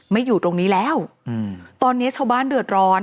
อยู่ตรงนี้แล้วอืมตอนนี้ชาวบ้านเดือดร้อน